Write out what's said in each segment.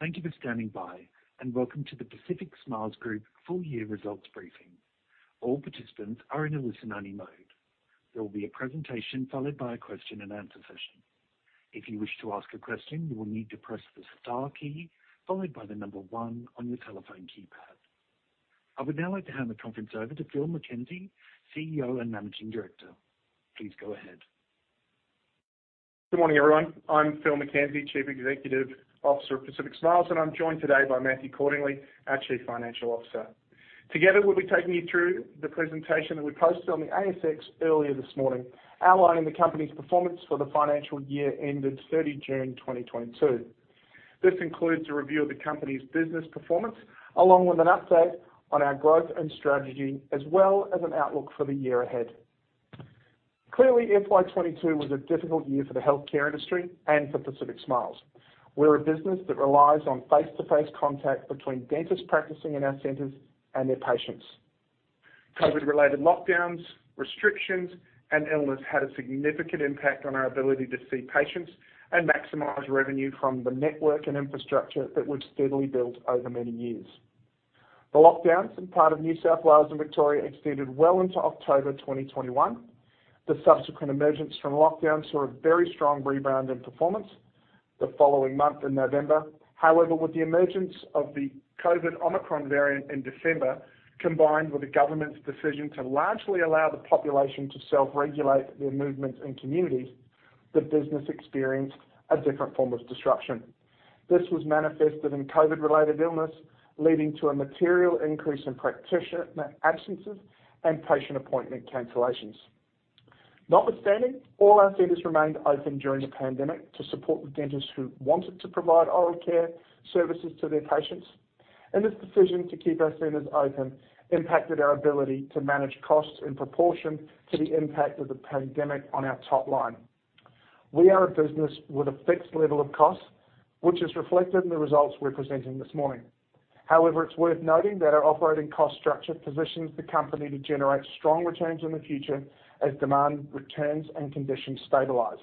Thank you for standingby and Welcome to the Pacific Smiles Group Full-Year Results Briefing. All participants are in a listen-only mode. There will be a presentation followed by a Q&A session. If you wish to ask a question, you will need to press the star key followed by the number one on your telephone keypad. I would now like to hand the conference over to Phil McKenzie, CEO and Managing Director. Please go ahead. Good morning, everyone. I'm Phil McKenzie, Chief Executive Officer of Pacific Smiles and I'm joined today by Matthew Cordingley, our Chief Financial Officer. Together, we'll be taking you through the presentation that we posted on the ASX earlier this morning, outlining the company's performance for the financial year ended 30th of June 2022. This includes a review of the company's business performance, along with an update on our growth and strategy, as well as an outlook for the year ahead. Clearly, FY 2022 was a difficult year for the healthcare industry and for Pacific Smiles. We're a business that relies on face-to-face contact between dentists practicing in our centers and their patients. COVID-related lockdowns, restrictions, and illness had a significant impact on our ability to see patients and maximize revenue from the network and infrastructure that we've steadily built over many years. The lockdowns in part of New South Wales and Victoria extended well into October 2021. The subsequent emergence from lockdowns saw a very strong rebound in performance the following month in November. However, with the emergence of the COVID-19 Omicron variant in December, combined with the government's decision to largely allow the population to self-regulate their movement in communities, the business experienced a different form of disruption. This was manifested in COVID-related illness, leading to a material increase in practitioner absences and patient appointment cancellations. Notwithstanding, all our centers remained open during the pandemic to support the dentists who wanted to provide oral care services to their patients. This decision to keep our centers open impacted our ability to manage costs in proportion to the impact of the pandemic on our top line. We are a business with a fixed level of cost, which is reflected in the results we're presenting this morning. However, it's worth noting that our operating cost structure positions the company to generate strong returns in the future as demand returns and conditions stabilize.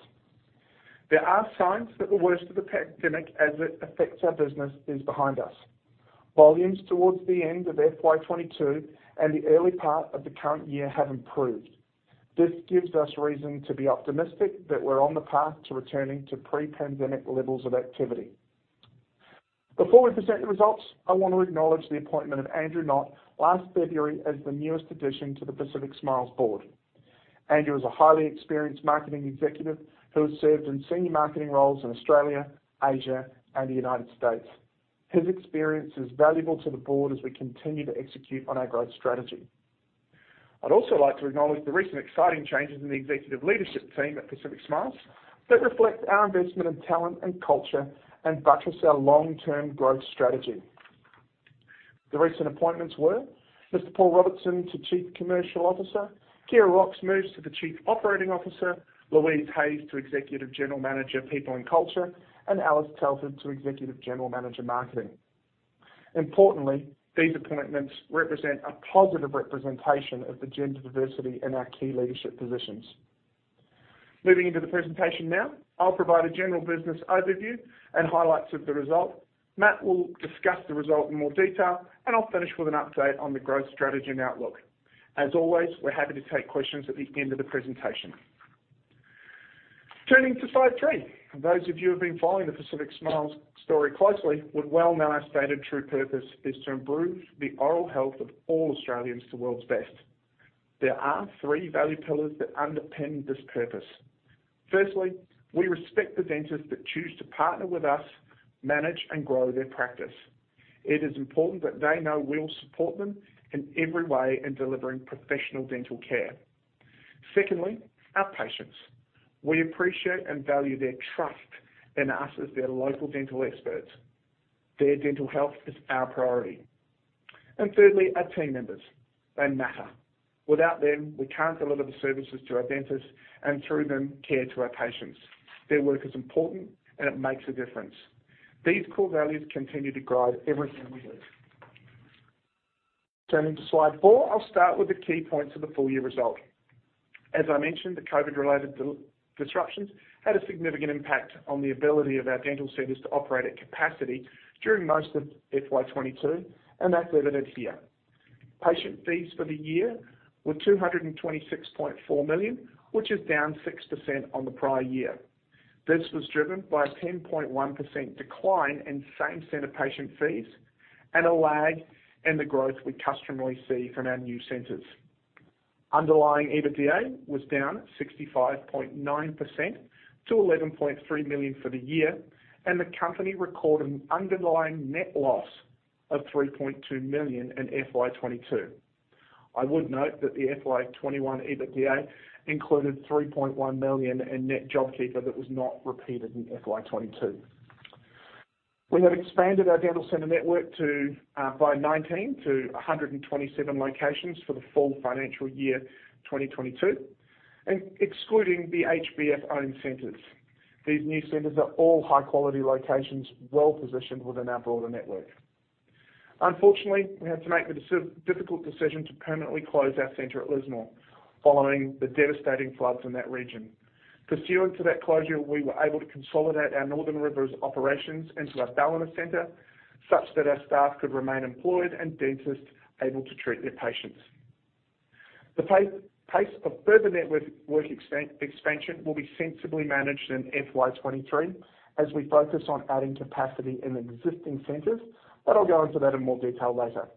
There are signs that the worst of the pandemic, as it affects our business, is behind us. Volumes towards the end of FY 2022 and the early part of the current year have improved. This gives us reason to be optimistic that we're on the path to returning to pre-pandemic levels of activity. Before we present the results, I wanna acknowledge the appointment of Andrew Knott last February as the newest addition to the Pacific Smiles board. Andrew is a highly experienced marketing executive who has served in senior marketing roles in Australia, Asia and the United States. His experience is valuable to the board as we continue to execute on our growth strategy. I'd also like to acknowledge the recent exciting changes in the executive leadership team at Pacific Smiles that reflect our investment in talent and culture and buttress our long-term growth strategy. The recent appointments were Mr. Paul Robertson to Chief Commercial Officer, Ciara Rocks moves to the Chief Operating Officer, Louise Hayes to Executive General Manager of People and Culture, and Alice Telford to Executive General Manager of Marketing. Importantly, these appointments represent a positive representation of the gender diversity in our key leadership positions. Moving into the presentation now, I'll provide a general business overview and highlights of the results. Matt will discuss the results in more detail, and I'll finish with an update on the growth strategy and outlook. As always, we're happy to take questions at the end of the presentation. Turning to Slide 3, those of you who have been following the Pacific Smiles story closely would well know our stated true purpose is to improve the oral health of all Australians to world's best. There are three value pillars that underpin this purpose. Firstly, we respect the dentists that choose to partner with us, manage, and grow their practice. It is important that they know we'll support them in every way in delivering professional dental care. Secondly, our patients. We appreciate and value their trust in us as their local dental experts. Their dental health is our priority. Thirdly, our team members. They matter. Without them, we can't deliver the services to our dentists and through them, care to our patients. Their work is important, and it makes a difference. These core values continue to guide everything we do. Turning to Slide 4, I'll start with the key points of the full-year result. As I mentioned, the COVID-related disruptions had a significant impact on the ability of our dental centers to operate at capacity during most of FY 2022, and that's evident here. Patient fees for the year were 226.4 million, which is down 6% on the prior year. This was driven by a 10.1% decline in same-center patient fees and a lag in the growth we customarily see from our new centers. Underlying EBITDA was down 65.9% to 11.3 million for the year, and the company recorded an underlying net loss of 3.2 million in FY 2022. I would note that the FY 2021 EBITDA included 3.1 million in net JobKeeper that was not repeated in FY 2022. We have expanded our dental center network by 19 to 127 locations for the full financial year 2022 and excluding the HBF-owned centers. These new centers are all high-quality locations, well-positioned within our broader network. Unfortunately, we had to make the difficult decision to permanently close our center at Lismore following the devastating floods in that region. Pursuant to that closure, we were able to consolidate our Northern Rivers operations into our Ballina center, such that our staff could remain employed and dentists able to treat their patients. The pace of further network expansion will be sensibly managed in FY 2023 as we focus on adding capacity in existing centers. I'll go into that in more detail later.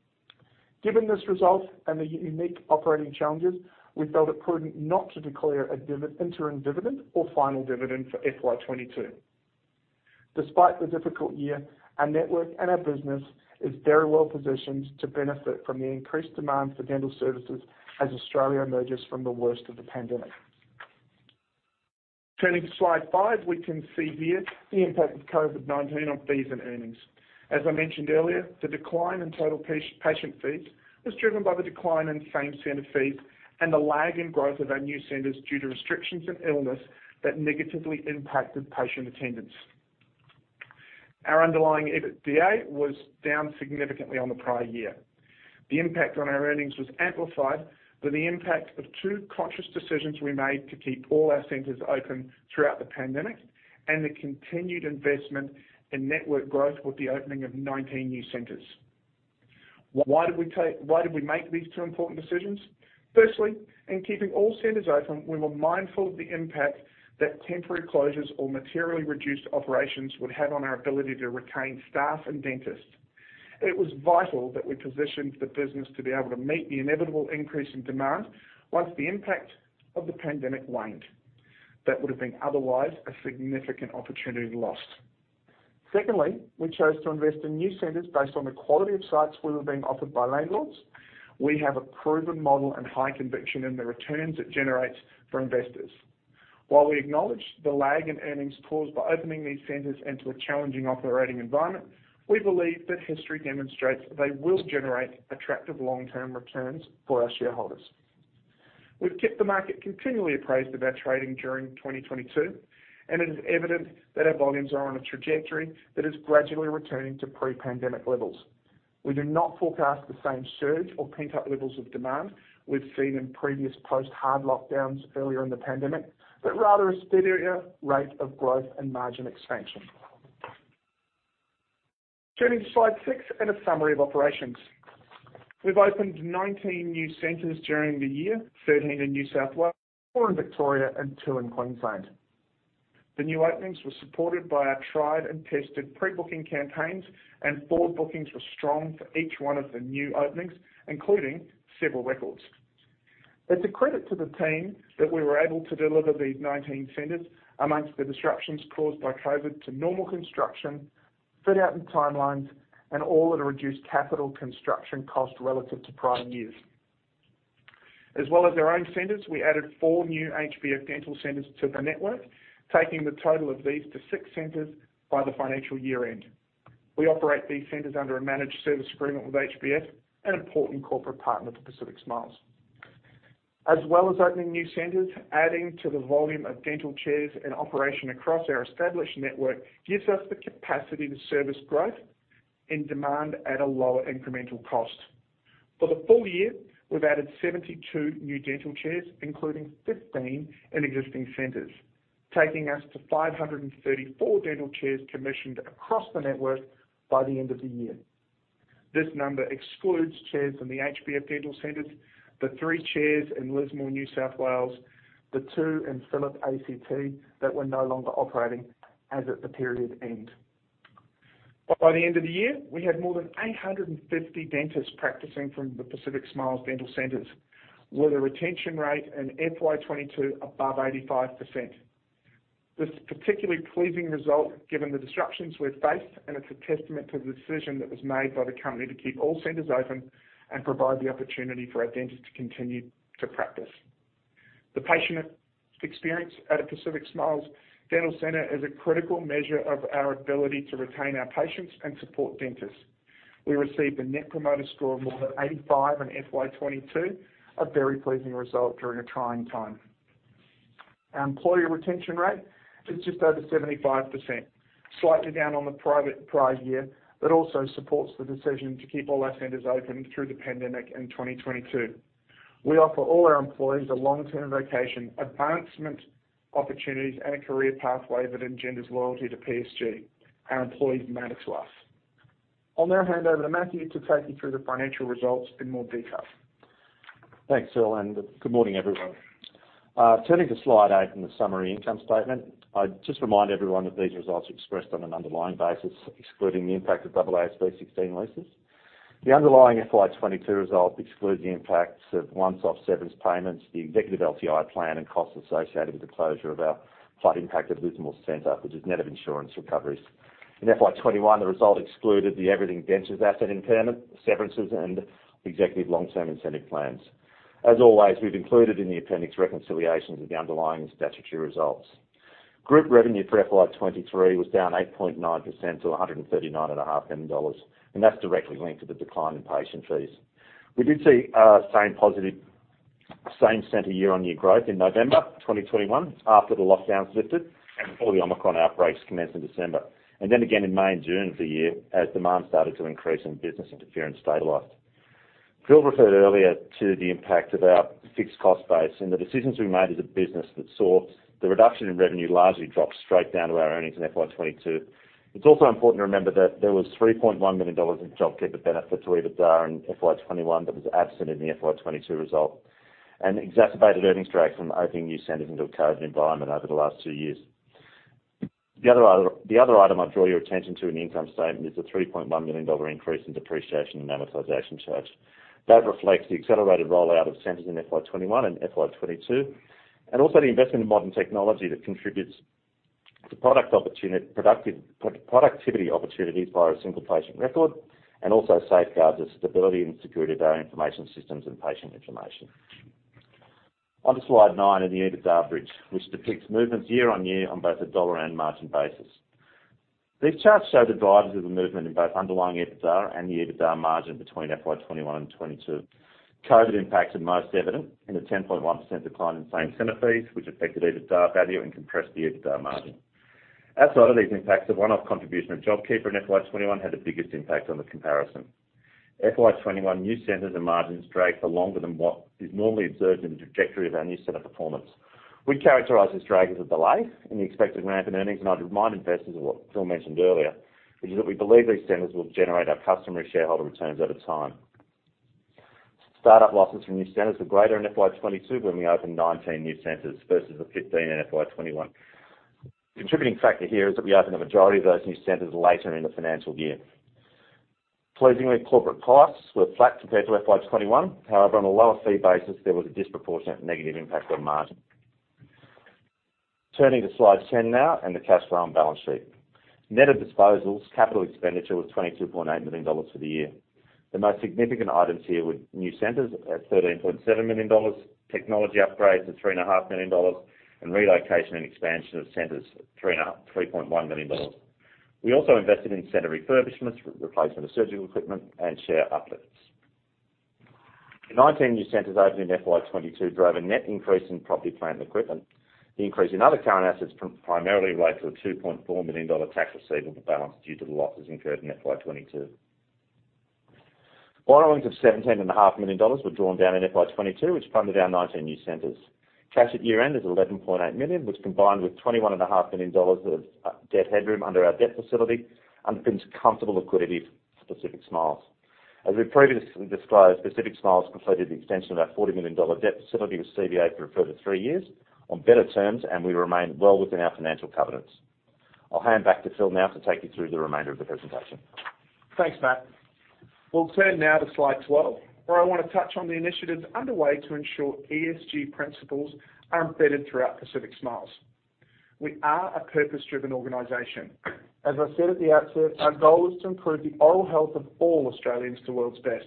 Given this result and the unique operating challenges, we felt it prudent not to declare an interim dividend or final dividend for FY 2022. Despite the difficult year, our network and our business is very well-positioned to benefit from the increased demand for dental services as Australia emerges from the worst of the pandemic. Turning to Slide 5, we can see here the impact of COVID-19 on fees and earnings. As I mentioned earlier, the decline in total patient fees was driven by the decline in same-center fees and the lag in growth of our new centers due to restrictions and illness that negatively impacted patient attendance. Our underlying EBITDA was down significantly on the prior year. The impact on our earnings was amplified by the impact of two conscious decisions we made to keep all our centers open throughout the pandemic and the continued investment in network growth with the opening of 19 new centers. Why did we make these two important decisions? Firstly, in keeping all centers open, we were mindful of the impact that temporary closures or materially reduced operations would have on our ability to retain staff and dentists. It was vital that we positioned the business to be able to meet the inevitable increase in demand once the impact of the pandemic waned. That would have been otherwise a significant opportunity lost. Secondly, we chose to invest in new centers based on the quality of sites we were being offered by landlords. We have a proven model and high conviction in the returns it generates for investors. While we acknowledge the lag in earnings caused by opening these centers into a challenging operating environment, we believe that history demonstrates they will generate attractive long-term returns for our shareholders. We've kept the market continually appraised of our trading during 2022, and it is evident that our volumes are on a trajectory that is gradually returning to pre-pandemic levels. We do not forecast the same surge or pent-up levels of demand we've seen in previous post hard lockdowns earlier in the pandemic, but rather a steadier rate of growth and margin expansion. Turning to Slide 6 and a summary of operations. We've opened 19 new centers during the year, 13 in New South Wales, 4 in Victoria, and 2 in Queensland. The new openings were supported by our tried and tested pre-booking campaigns, and forward bookings were strong for each one of the new openings, including several records. It's a credit to the team that we were able to deliver these 19 centers among the disruptions caused by COVID to normal construction, fit out, and timelines, and all at a reduced capital construction cost relative to prior years. As well as our own centers, we added 4 new HBF Dental Centres to the network, taking the total of these to 6 centers by the financial year-end. We operate these centers under a managed service agreement with HBF, an important corporate partner for Pacific Smiles. As well as opening new centers, adding to the volume of dental chairs and operation across our established network gives us the capacity to service growth and demand at a lower incremental cost. For the full year, we've added 72 new dental chairs, including 15 in existing centers, taking us to 534 dental chairs commissioned across the network by the end of the year. This number excludes chairs in the HBF Dental Centres, the three chairs in Lismore, New South Wales, the two in Phillip ACT that were no longer operating as at the period end. By the end of the year, we had more than 850 dentists practicing from the Pacific Smiles Dental Centres, with a retention rate in FY 2022 above 85%. This particularly pleasing result, given the disruptions we've faced, and it's a testament to the decision that was made by the company to keep all centers open and provide the opportunity for our dentists to continue to practice. The patient experience at a Pacific Smiles Dental Centre is a critical measure of our ability to retain our patients and support dentists. We received a net promoter score of more than 85 in FY 2022, a very pleasing result during a trying time. Our employee retention rate is just over 75%, slightly down on the prior year, but also supports the decision to keep all our centres open through the pandemic in 2022. We offer all our employees a long-term vocation, advancement opportunities, and a career pathway that engenders loyalty to PSG. Our employees matter to us. I'll now hand over to Matthew to take you through the financial results in more detail. Thanks, Phil, and good morning, everyone. Turning to Slide 8 in the summary income statement. I'd just remind everyone that these results are expressed on an underlying basis, excluding the impact of AASB 16 leases. The underlying FY 2022 result excludes the impacts of one-off severance payments, the executive LTI plan, and costs associated with the closure of our flood-impacted Lismore center, which is net of insurance recoveries. In FY 2021, the result excluded the Everything Dentists asset impairment, severances, and executive long-term incentive plans. As always, we've included in the appendix reconciliations of the underlying statutory results. Group revenue for FY 2023 was down 8.9% to 139.5 million dollars, and that's directly linked to the decline in patient fees. We did see same positive same-center year-on-year growth in November 2021, after the lockdowns lifted and before the Omicron outbreaks commenced in December, and then again in May and June of the year as demand started to increase and business interference stabilized. Phil referred earlier to the impact of our fixed cost base and the decisions we made as a business that saw the reduction in revenue largely dropped straight down to our earnings in FY 2022. It's also important to remember that there was 3.1 million dollars in JobKeeper benefit to EBITDA in FY 2021 that was absent in the FY 2022 result and exacerbated earnings drag from opening new centers into a COVID environment over the last two years. The other item I draw your attention to in the income statement is the 3.1 million dollar increase in depreciation and amortization charge. That reflects the accelerated rollout of centers in FY 2021 and FY 2022, and also the investment in modern technology that contributes to productivity opportunities via a single patient record and also safeguards the stability and security of our information systems and patient information. On to Slide 9 in the EBITDA bridge, which depicts movements year-on-year on both the dollar and margin basis. These charts show the drivers of the movement in both underlying EBITDA and the EBITDA margin between FY 2021 and FY 2022. COVID impact is most evident in the 10.1% decline in same center fees, which affected EBITDA value and compressed the EBITDA margin. Outside of these impacts, the one-off contribution of JobKeeper in FY 2021 had the biggest impact on the comparison. FY 2021 new centers and margins dragged for longer than what is normally observed in the trajectory of our new center performance. We characterize this drag as a delay in the expected ramp in earnings. I'd remind investors of what Phil mentioned earlier, which is that we believe these centers will generate our customary shareholder returns over time. Start-up losses from new centers were greater in FY 2022 when we opened 19 new centers versus the 15 in FY 2021. Contributing factor here is that we opened the majority of those new centers later in the financial year. Pleasingly, corporate costs were flat compared to FY 2021. However, on a lower fee basis, there was a disproportionate negative impact on margin. Turning to Slide 10 now and the cash flow and balance sheet. Net of disposals, capital expenditure was 22.8 million dollars for the year. The most significant items here were new centers at 13.7 million dollars, technology upgrades at 3 and a half million, and relocation and expansion of centers at 3.1 million dollars. We also invested in center refurbishments, replacement of surgical equipment, and chair uplifts. The 19 new centers opened in FY 2022 drove a net increase in property, plant, and equipment. The increase in other current assets primarily related to a 2.4 million dollar tax receivable balance due to the losses incurred in FY 2022. Borrowings of 17 and a half million were drawn down in FY 2022, which funded our 19 new centers. Cash at year-end is 11.8 million, which combined with 21 and a half million dollars of debt headroom under our debt facility, underpins comfortable liquidity for Pacific Smiles. As we previously disclosed, Pacific Smiles completed the extension of our 40 million dollar debt facility with CBA for a further 3 years on better terms, and we remain well within our financial covenants. I'll hand back to Phil now to take you through the remainder of the presentation. Thanks, Matt. We'll turn now to Slide 12, where I wanna touch on the initiatives underway to ensure ESG principles are embedded throughout Pacific Smiles. We are a purpose-driven organization. As I said at the outset, our goal is to improve the oral health of all Australians to world's best.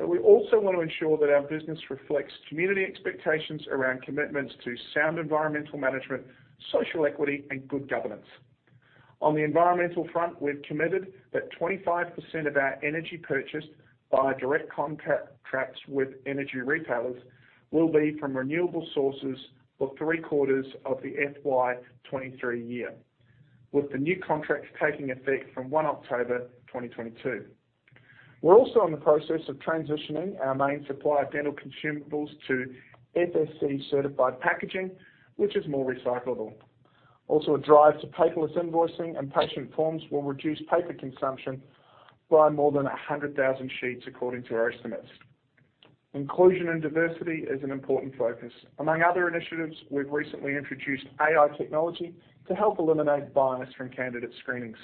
We also want to ensure that our business reflects community expectations around commitments to sound environmental management, social equity, and good governance. On the environmental front, we've committed that 25% of our energy purchased via direct contracts with energy retailers will be from renewable sources for three-quarters of the FY 2023 year, with the new contracts taking effect from 1 October 2022. We're also in the process of transitioning our main supply of dental consumables to FSC-certified packaging, which is more recyclable. Also, a drive to paperless invoicing and patient forms will reduce paper consumption by more than 100,000 sheets, according to our estimates. Inclusion and diversity is an important focus. Among other initiatives, we've recently introduced AI technology to help eliminate bias from candidate screenings.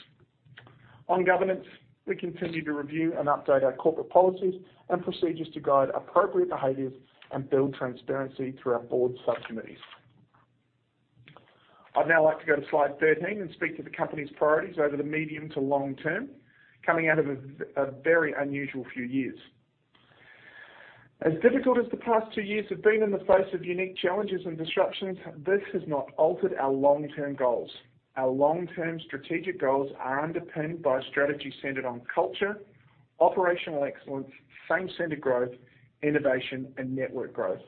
On governance, we continue to review and update our corporate policies and procedures to guide appropriate behaviors and build transparency through our board subcommittees. I'd now like to go to Slide 13 and speak to the company's priorities over the medium to long term, coming out of a very unusual few years. As difficult as the past two years have been in the face of unique challenges and disruptions, this has not altered our long-term goals. Our long-term strategic goals are underpinned by a strategy centered on culture, operational excellence, same-center growth, innovation, and network growth.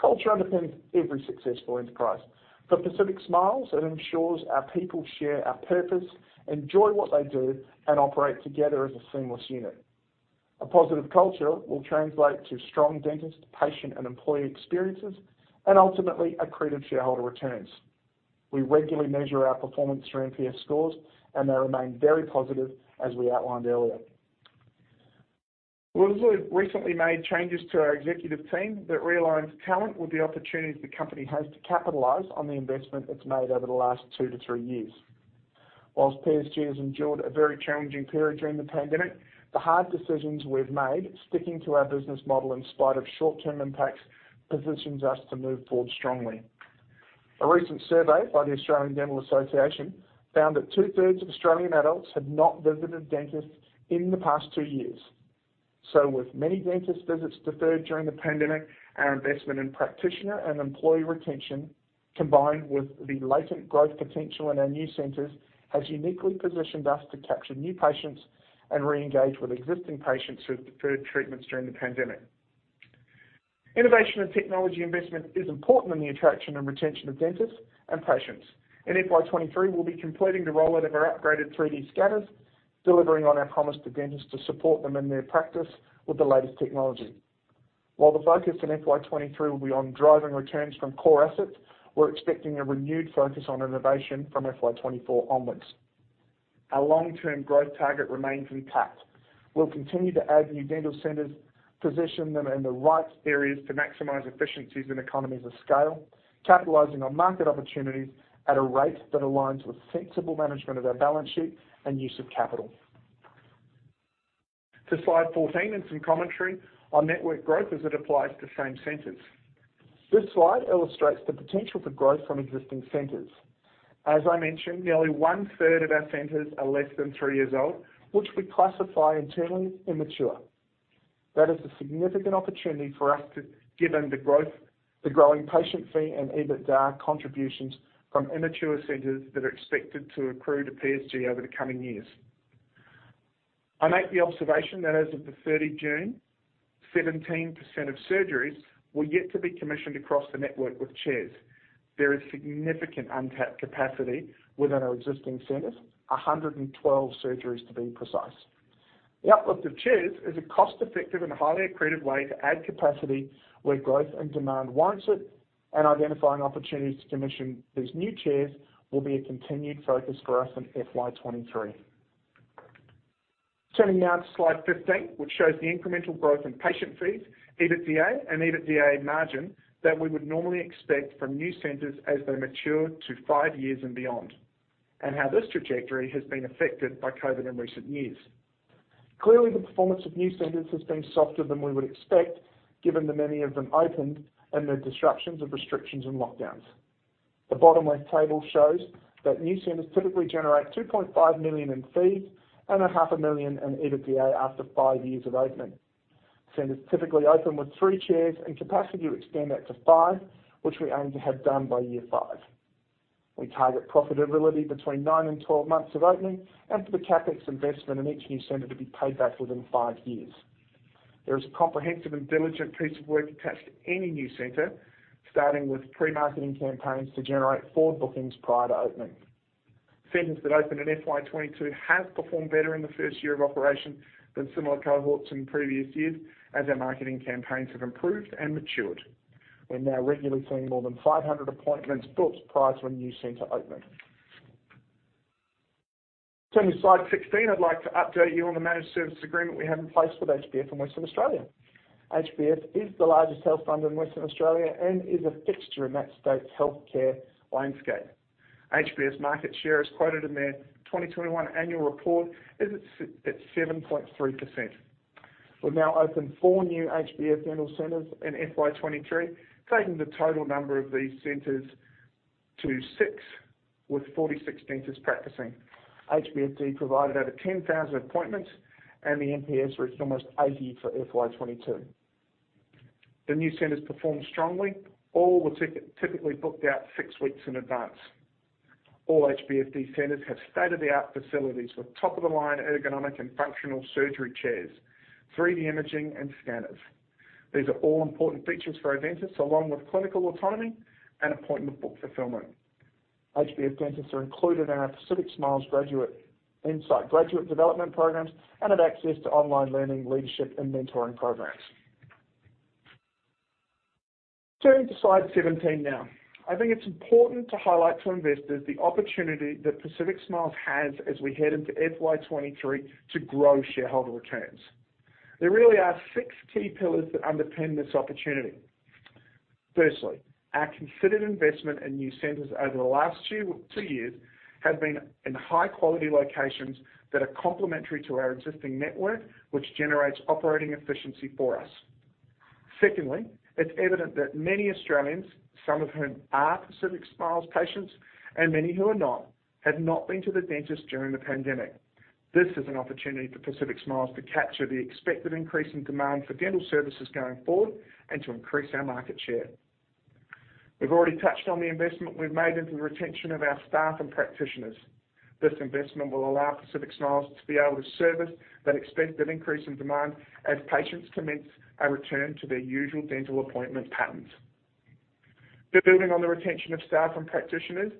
Culture underpins every successful enterprise. For Pacific Smiles, it ensures our people share our purpose, enjoy what they do, and operate together as a seamless unit. A positive culture will translate to strong dentist, patient, and employee experiences, and ultimately, accretive shareholder returns. We regularly measure our performance through NPS scores, and they remain very positive, as we outlined earlier. We've also recently made changes to our executive team that realigns talent with the opportunities the company has to capitalize on the investment it's made over the last 2-3 years. While PSG has endured a very challenging period during the pandemic, the hard decisions we've made sticking to our business model in spite of short-term impacts positions us to move forward strongly. A recent survey by the Australian Dental Association found that two-thirds of Australian adults had not visited a dentist in the past two years. With many dentist visits deferred during the pandemic, our investment in practitioner and employee retention, combined with the latent growth potential in our new centers, has uniquely positioned us to capture new patients and re-engage with existing patients who have deferred treatments during the pandemic. Innovation and technology investment is important in the attraction and retention of dentists and patients. In FY 2023, we'll be completing the rollout of our upgraded 3D scanners, delivering on our promise to dentists to support them in their practice with the latest technology. While the focus in FY 2023 will be on driving returns from core assets, we're expecting a renewed focus on innovation from FY 2024 onwards. Our long-term growth target remains intact. We'll continue to add new dental centers, position them in the right areas to maximize efficiencies and economies of scale, capitalizing on market opportunities at a rate that aligns with sensible management of our balance sheet and use of capital. To Slide 14 and some commentary on network growth as it applies to same centers. This slide illustrates the potential for growth from existing centers. As I mentioned, nearly one-third of our centers are less than three years old, which we classify internally as immature. That is a significant opportunity for us, the growing patient fee and EBITDA contributions from immature centers that are expected to accrue to PSG over the coming years. I make the observation that as of 30th June, 17% of surgeries were yet to be commissioned across the network with chairs. There is significant untapped capacity within our existing centers, 112 surgeries to be precise. The outlook to chairs is a cost-effective and highly accretive way to add capacity where growth and demand warrants it and identifying opportunities to commission these new chairs will be a continued focus for us in FY 2023. Turning now to Slide 15, which shows the incremental growth in patient fees, EBITDA and EBITDA margin that we would normally expect from new centers as they mature to 5 years and beyond, and how this trajectory has been affected by COVID in recent years. Clearly, the performance of new centers has been softer than we would expect, given that many of them opened in the disruptions of restrictions and lockdowns. The bottom left table shows that new centers typically generate 2.5 million in fees and a half a million in EBITDA after 5 years of opening. Centers typically open with 3 chairs and capacity to extend that to 5, which we aim to have done by year 5. We target profitability between 9 and 12 months of opening and for the CapEx investment in each new center to be paid back within 5 years. There is a comprehensive and diligent piece of work attached to any new center, starting with pre-marketing campaigns to generate forward bookings prior to opening. Centers that opened in FY 2022 have performed better in the first year of operation than similar cohorts in previous years as our marketing campaigns have improved and matured. We're now regularly seeing more than 500 appointments booked prior to a new center opening. Turning to Slide 16, I'd like to update you on the managed service agreement we have in place with HBF in Western Australia. HBF is the largest health fund in Western Australia and is a fixture in that state's healthcare landscape. HBF's market share, as quoted in their 2021 annual report, is at 7.3%. We've now opened 4 new HBF Dental centers in FY 2023, taking the total number of these centers to 6, with 46 dentists practicing. HBF Dental provided over 10,000 appointments and the NPS reached almost 80 for FY 2022. The new centers performed strongly. All were typically booked out 6 weeks in advance. All HBF Dental centers have state-of-the-art facilities with top-of-the-line ergonomic and functional surgery chairs, 3D imaging and scanners. These are all important features for our dentists, along with clinical autonomy and appointment book fulfillment. HBF dentists are included in our Pacific Smiles Graduate Development programs and have access to online learning, leadership and mentoring programs. Turning to Slide 17 now. I think it's important to highlight to investors the opportunity that Pacific Smiles has as we head into FY 2023 to grow shareholder returns. There really are six key pillars that underpin this opportunity. Firstly, our considered investment in new centers over the last two years have been in high-quality locations that are complementary to our existing network, which generates operating efficiency for us. Secondly, it's evident that many Australians, some of whom are Pacific Smiles patients and many who are not, have not been to the dentist during the pandemic. This is an opportunity for Pacific Smiles to capture the expected increase in demand for dental services going forward and to increase our market share. We've already touched on the investment we've made into the retention of our staff and practitioners. This investment will allow Pacific Smiles to be able to service that expected increase in demand as patients commence a return to their usual dental appointment patterns. Building on the retention of staff and practitioners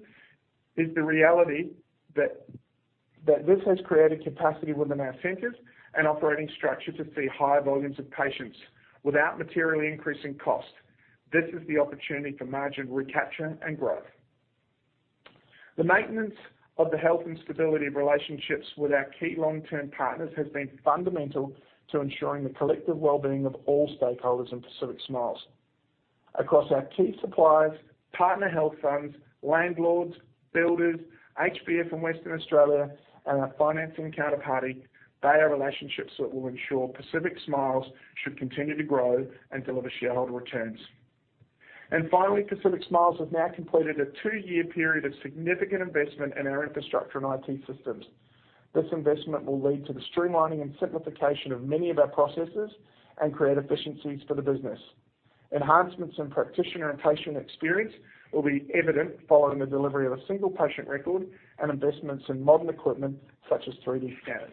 is the reality that this has created capacity within our centers and operating structure to see higher volumes of patients without materially increasing cost. This is the opportunity for margin recapture and growth. The maintenance of the health and stability of relationships with our key long-term partners has been fundamental to ensuring the collective well-being of all stakeholders in Pacific Smiles. Across our key suppliers, partner health funds, landlords, builders, HBF in Western Australia and our financing counterparty, they are relationships that will ensure Pacific Smiles should continue to grow and deliver shareholder returns. Finally, Pacific Smiles has now completed a 2-year period of significant investment in our infrastructure and IT systems. This investment will lead to the streamlining and simplification of many of our processes and create efficiencies for the business. Enhancements in practitioner and patient experience will be evident following the delivery of a single patient record and investments in modern equipment such as 3D scanners.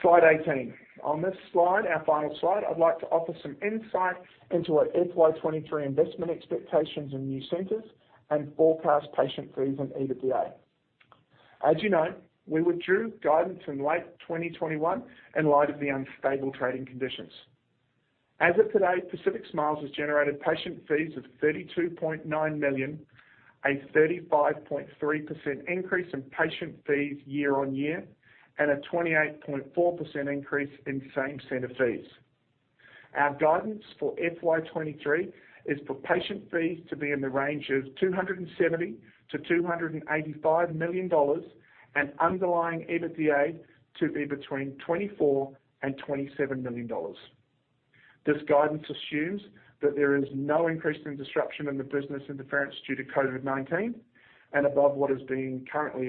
Slide 18. On this slide, our final slide, I'd like to offer some insight into our FY 2023 investment expectations in new centers and forecast patient fees and EBITDA. As you know, we withdrew guidance in late 2021 in light of the unstable trading conditions. As of today, Pacific Smiles has generated patient fees of 32.9 million, a 35.3% increase in patient fees year-on-year, and a 28.4% increase in same-center fees. Our guidance for FY 2023 is for patient fees to be in the range of 270-285 million dollars and underlying EBITDA to be between 24 million and 27 million dollars. This guidance assumes that there is no increase in disruption or business interruption due to COVID-19 and above what is being currently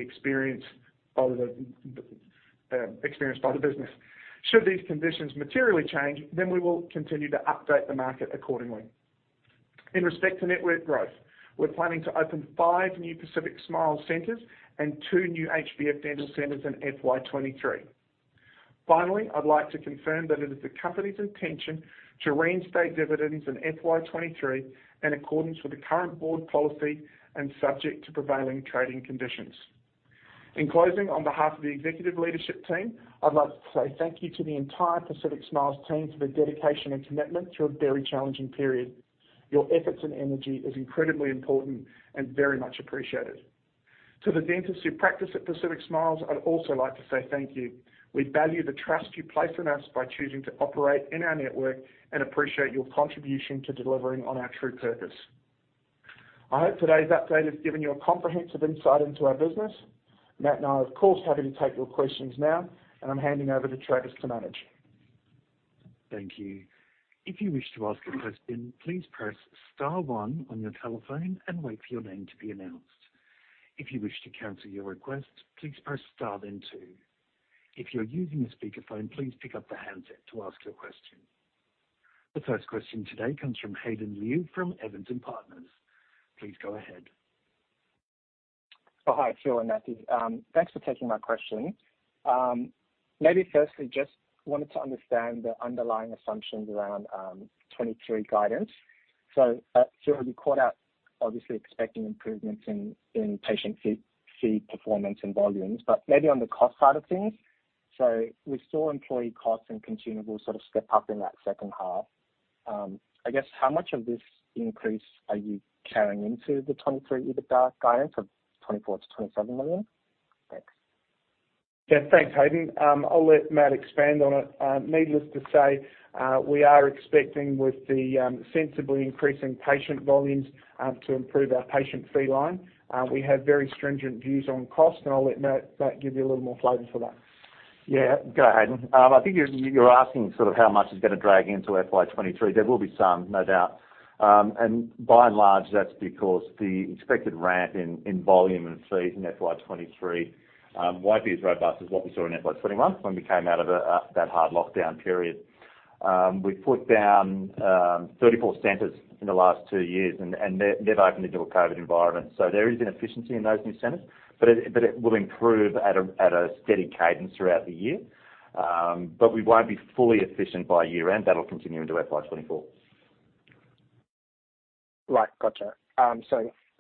experienced by the business. Should these conditions materially change, then we will continue to update the market accordingly. In respect to network growth, we're planning to open 5 new Pacific Smiles centers and 2 new HBF Dental centers in FY 2023. Finally, I'd like to confirm that it is the company's intention to reinstate dividends in FY 2023 in accordance with the current board policy and subject to prevailing trading conditions. In closing, on behalf of the executive leadership team, I'd like to say thank you to the entire Pacific Smiles team for their dedication and commitment through a very challenging period. Your efforts and energy is incredibly important and very much appreciated. To the dentists who practice at Pacific Smiles, I'd also like to say thank you. We value the trust you place in us by choosing to operate in our network and appreciate your contribution to delivering on our true purpose. I hope today's update has given you a comprehensive insight into our business. Matt and I are of course happy to take your questions now, and I'm handing over to Travis to manage. Thank you. If you wish to ask a question, please press star one on your telephone and wait for your name to be announced. If you wish to cancel your request, please press star then two. If you're using a speakerphone, please pick up the handset to ask your question. The first question today comes from Hayden Liu from Evans & Partners. Please go ahead. Oh, hi, Phil and Matthew. Thanks for taking my question. Maybe firstly, just wanted to understand the underlying assumptions around 2023 guidance. Phil, you called out obviously expecting improvements in patient fee performance and volumes, but maybe on the cost side of things. We saw employee costs and consumables sort of step up in that second half. I guess how much of this increase are you carrying into the 2023 EBITDA guidance of 24 million-27 million? Thanks. Yeah. Thanks, Hayden. I'll let Matt expand on it. Needless to say, we are expecting with the sensibly increasing patient volumes to improve our patient fee line. We have very stringent views on cost, and I'll let Matt give you a little more flavor for that. Yeah. Go, Hayden. I think you're asking sort of how much is gonna drag into FY 2023. There will be some, no doubt. By and large, that's because the expected ramp in volume and fees in FY 2023 won't be as robust as what we saw in FY 2021 when we came out of that hard lockdown period. We put down 34 centers in the last two years, and they've opened into a COVID environment. There is an efficiency in those new centers, but it will improve at a steady cadence throughout the year. We won't be fully efficient by year-end. That'll continue into FY 2024. Right. Gotcha.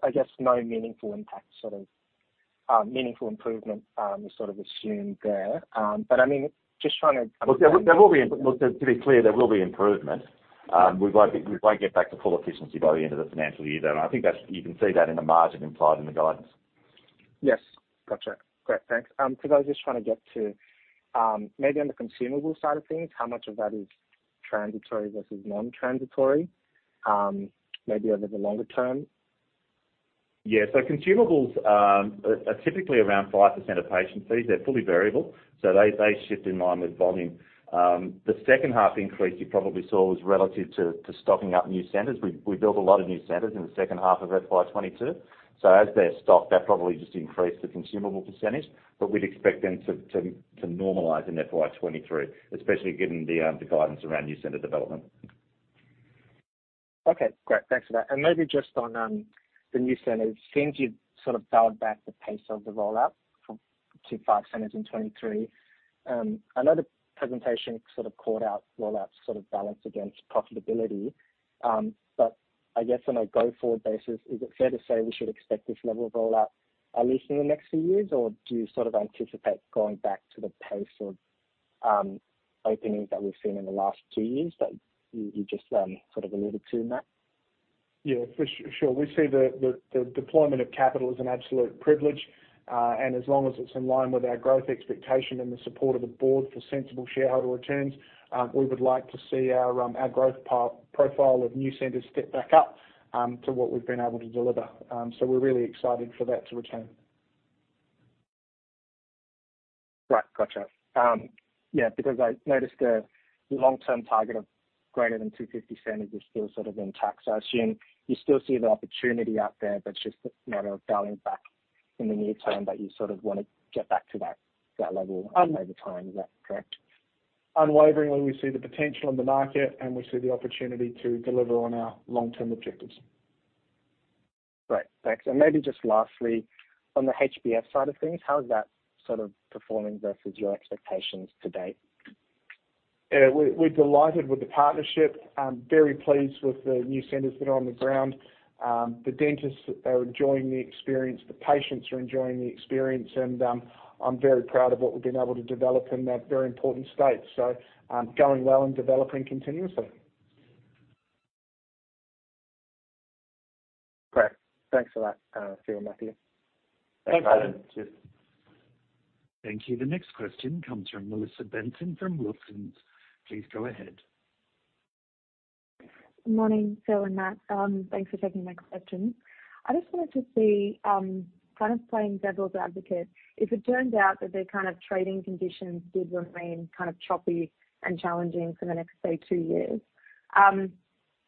I guess no meaningful impact, sort of, meaningful improvement, is sort of assumed there. I mean, just trying to. To be clear, there will be improvement. We won't get back to full efficiency by the end of the financial year, though, and I think that's you can see that in the margin implied in the guidance. Yes. Gotcha. Great. Thanks. 'Cause I was just trying to get to, maybe on the consumable side of things, how much of that is transitory versus non-transitory, maybe over the longer term? Yeah. Consumables are typically around 5% of patient fees. They're fully variable, so they shift in line with volume. The second half increase you probably saw was relative to stocking up new centers. We built a lot of new centers in the second half of FY 2022, so as they're stocked, that probably just increased the consumable percentage. We'd expect them to normalize in FY 2023, especially given the guidance around new center development. Okay. Great. Thanks for that. Maybe just on the new centers. It seems you've sort of dialed back the pace of the rollout from 25 centers in 2023. I know the presentation sort of called out rollouts sort of balanced against profitability. But I guess on a go-forward basis, is it fair to say we should expect this level of rollout at least in the next few years? Or do you sort of anticipate going back to the pace of openings that we've seen in the last two years that you just sort of alluded to, Matt? Yeah. For sure. We see the deployment of capital as an absolute privilege. As long as it's in line with our growth expectation and the support of the board for sensible shareholder returns, we would like to see our growth profile of new centers step back up to what we've been able to deliver. We're really excited for that to return. Right. Gotcha. Yeah, because I noticed the long-term target of greater than 2.50 is still sort of intact. I assume you still see the opportunity out there, but it's just a matter of dialing back in the near term that you sort of wanna get back to that level over time. Is that correct? Unwaveringly, we see the potential in the market, and we see the opportunity to deliver on our long-term objectives. Great. Thanks. Maybe just lastly, on the HBF side of things, how is that sort of performing versus your expectations to date? Yeah, we're delighted with the partnership and very pleased with the new centers that are on the ground. The dentists are enjoying the experience, the patients are enjoying the experience, and I'm very proud of what we've been able to develop in that very important state. Going well and developing continuously. Great. Thanks for that, Phil and Matthew. Thanks, Hayden Liu. Cheers. Thank you. The next question comes from Melissa Benson from Wilsons. Please go ahead. Morning, Phil and Matt. Thanks for taking my question. I just wanted to see, kind of playing devil's advocate, if it turns out that the kind of trading conditions did remain kind of choppy and challenging for the next, say, two years,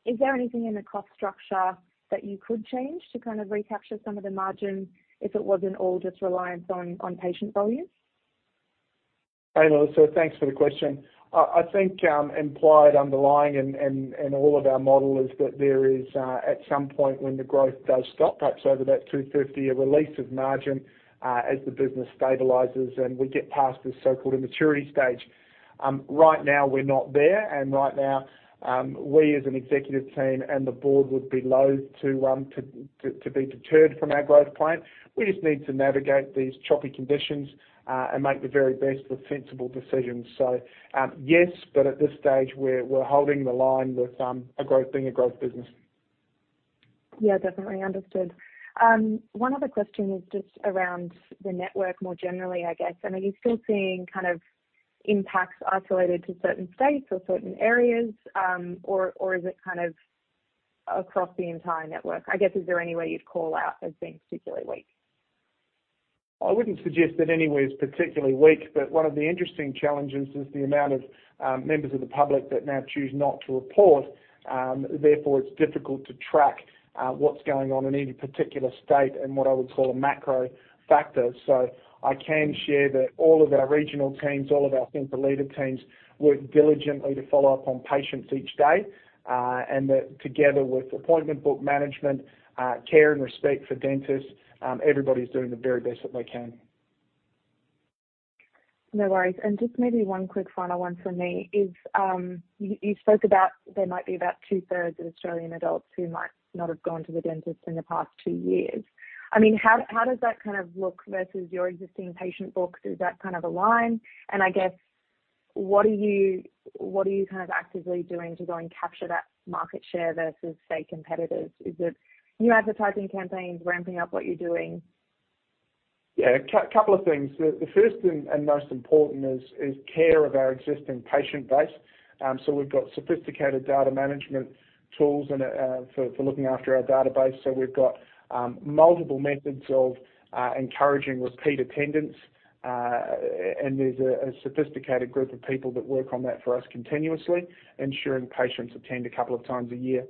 is there anything in the cost structure that you could change to kind of recapture some of the margin if it wasn't all just reliant on patient volumes? Hey, Melissa, thanks for the question. I think implied underlying and all of our model is that there is at some point when the growth does stop, perhaps over that 250, a release of margin as the business stabilizes and we get past this so-called immaturity stage. Right now, we're not there, and right now, we as an executive team and the board would be loath to be deterred from our growth plan. We just need to navigate these choppy conditions and make the very best of sensible decisions. Yes, but at this stage, we're holding the line with a growth being a growth business. Yeah, definitely. Understood. One other question is just around the network more generally, I guess. I mean, are you still seeing kind of impacts isolated to certain states or certain areas, or is it kind of across the entire network? I guess, is there any way you'd call out as being particularly weak? I wouldn't suggest that anywhere is particularly weak, but one of the interesting challenges is the amount of, members of the public that now choose not to report. Therefore, it's difficult to track, what's going on in any particular state and what I would call a macro factor. I can share that all of our regional teams, all of our center leader teams work diligently to follow up on patients each day, and that together with appointment book management, care and respect for dentists, everybody's doing the very best that they can. No worries. Just maybe one quick final one from me is, you spoke about there might be about two-thirds of Australian adults who might not have gone to the dentist in the past two years. I mean, how does that kind of look versus your existing patient book? Is that kind of aligned? I guess, what are you kind of actively doing to go and capture that market share versus, say, competitors? Is it new advertising campaigns ramping up what you're doing? Yeah. A couple of things. The first and most important is care of our existing patient base. We've got sophisticated data management tools and for looking after our database. We've got multiple methods of encouraging repeat attendance, and there's a sophisticated group of people that work on that for us continuously, ensuring patients attend a couple of times a year.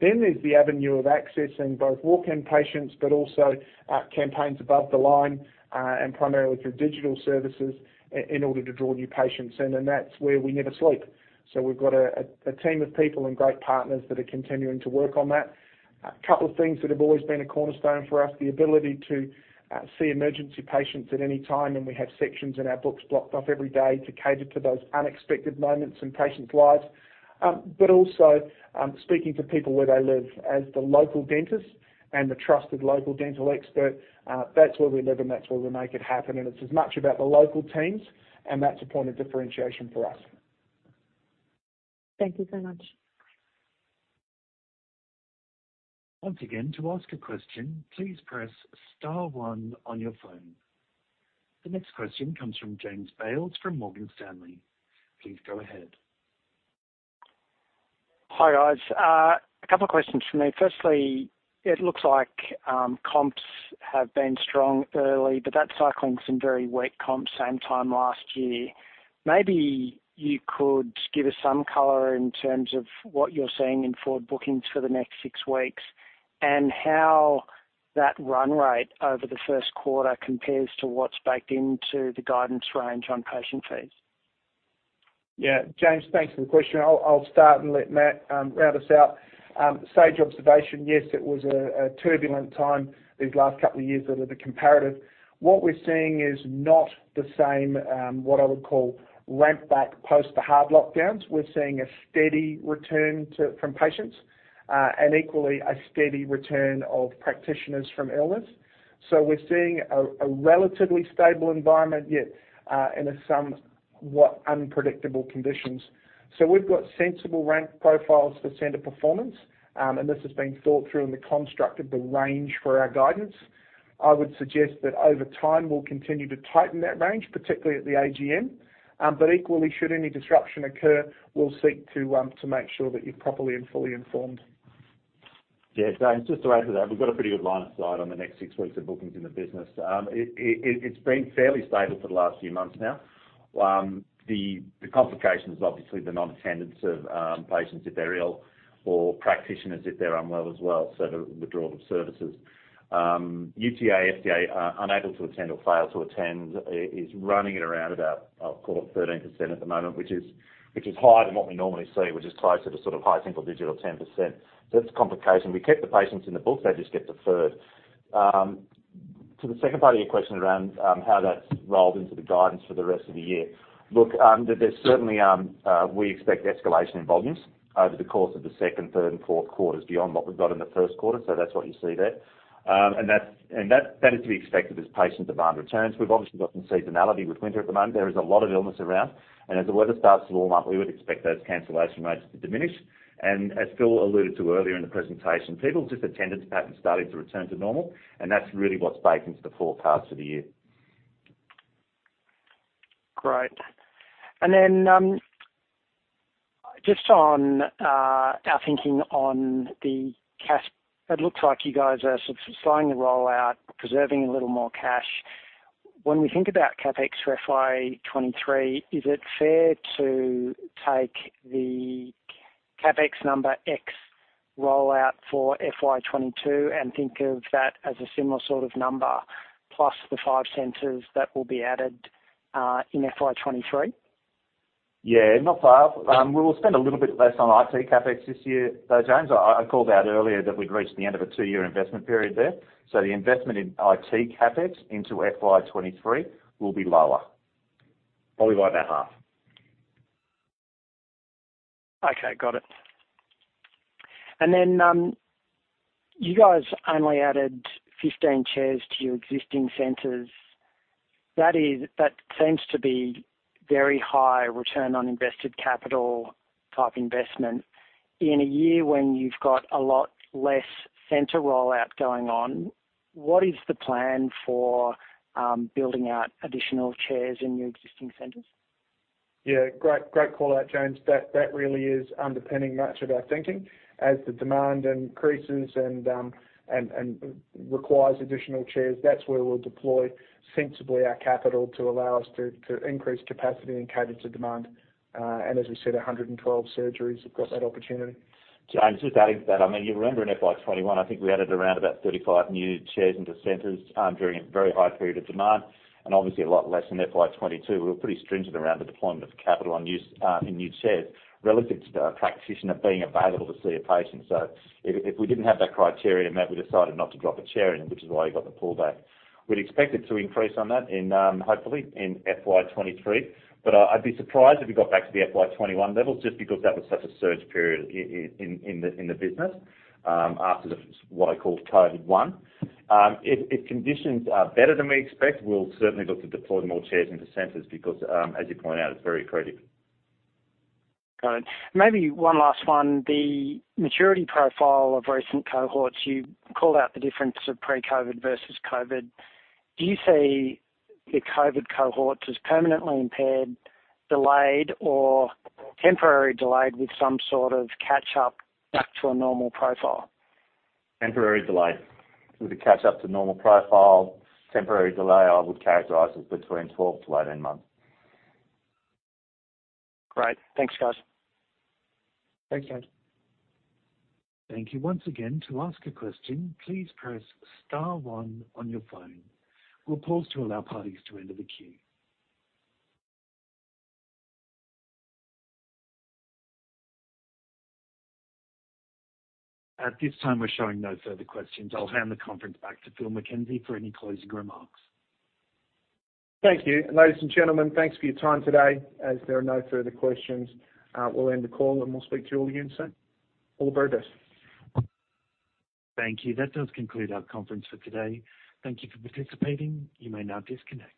There's the avenue of accessing both walk-in patients, but also campaigns above the line, and primarily through digital services in order to draw new patients in. That's where we never sleep. We've got a team of people and great partners that are continuing to work on that. A couple of things that have always been a cornerstone for us, the ability to see emergency patients at any time, and we have sections in our books blocked off every day to cater to those unexpected moments in patients' lives. Also, speaking to people where they live as the local dentist and the trusted local dental expert, that's where we live and that's where we make it happen. It's as much about the local teams, and that's a point of differentiation for us. Thank you so much. Once again, to ask a question, please press star one on your phone. The next question comes from James Bales from Morgan Stanley. Please go ahead. Hi, guys. A couple of questions from me. Firstly, it looks like, comps have been strong early, but that's cycling some very weak comps same time last year. Maybe you could give us some color in terms of what you're seeing in forward bookings for the next six weeks and how that run rate over the Q1 compares to what's baked into the guidance range on patient fees. Yeah. James, thanks for the question. I'll start and let Matt round us out. Sage observation, yes, it was a turbulent time these last couple of years that are the comparative. What we're seeing is not the same what I would call ramp back post the hard lockdowns. We're seeing a steady return from patients, and equally a steady return of practitioners from illness. We're seeing a relatively stable environment, yet in a somewhat unpredictable conditions. We've got sensible ramp profiles for center performance, and this has been thought through in the construct of the range for our guidance. I would suggest that over time, we'll continue to tighten that range, particularly at the AGM. Equally, should any disruption occur, we'll seek to make sure that you're properly and fully informed. Yeah, James, just to add to that, we've got a pretty good line of sight on the next six weeks of bookings in the business. It's been fairly stable for the last few months now. The complication is obviously the non-attendance of patients if they're ill or practitioners if they're unwell as well, so the withdrawal of services. UTA, FTA, unable to attend or fail to attend is running at around about, I'll call it 13% at the moment, which is higher than what we normally see, which is closer to sort of high single digit or 10%. So it's a complication. We kept the patients in the books, they just get deferred. To the second part of your question around how that's rolled into the guidance for the rest of the year. Look, there certainly we expect escalation in volumes over the course of the Q2, Q3 and Q4 beyond what we've got in the Q1. That's what you see there. That is to be expected as patient demand returns. We've obviously got some seasonality with winter at the moment. There is a lot of illness around. As the weather starts to warm up, we would expect those cancellation rates to diminish. As Phil alluded to earlier in the presentation, people just attendance patterns starting to return to normal, and that's really what's baked into the forecast for the year. Great. Just on our thinking on the cash, it looks like you guys are sort of slowing the rollout, preserving a little more cash. When we think about CapEx for FY 2023, is it fair to take the CapEx number ex rollout for FY 2022 and think of that as a similar sort of number plus the 5 centers that will be added in FY 2023? Yeah. Not far. We will spend a little bit less on IT CapEx this year, though, James. I called out earlier that we'd reached the end of a two-year investment period there. The investment in IT CapEx into FY 2023 will be lower, probably by about half. Okay. Got it. You guys only added 15 chairs to your existing centers. That seems to be very high return on invested capital type investment. In a year when you've got a lot less center rollout going on, what is the plan for building out additional chairs in your existing centers? Yeah. Great call-out, James. That really is underpinning much of our thinking. As the demand increases and requires additional chairs, that's where we'll deploy sensibly our capital to allow us to increase capacity and cater to demand. As we said, 112 surgeries have got that opportunity. James, just adding to that, I mean, you'll remember in FY 2021, I think we added around about 35 new chairs into centers during a very high period of demand, and obviously a lot less in FY 2022. We were pretty stringent around the deployment of capital on new chairs relative to a practitioner being available to see a patient. So if we didn't have that criteria met, we decided not to drop a chair in, which is why you got the pullback. We'd expect it to increase on that in hopefully in FY 2023, but I'd be surprised if we got back to the FY 2021 levels just because that was such a surge period in the business after the what I call COVID one. If conditions are better than we expect, we'll certainly look to deploy more chairs into centers because, as you point out, it's very accretive. Got it. Maybe one last one. The maturity profile of recent cohorts, you called out the difference of pre-COVID versus COVID. Do you see the COVID cohorts as permanently impaired, delayed, or temporary delayed with some sort of catch up back to a normal profile? Temporary delay with a catch up to normal profile. Temporary delay, I would characterize as between 12-18 months. Great. Thanks, guys. Thanks, James. Thank you once again. To ask a question, please press star one on your phone. We'll pause to allow parties to enter the queue. At this time, we're showing no further questions. I'll hand the conference back to Phil McKenzie for any closing remarks. Thank you. Ladies and gentlemen, thanks for your time today. As there are no further questions, we'll end the call, and we'll speak to you all again soon. All the best. Thank you. That does conclude our conference for today. Thank you for participating. You may now disconnect.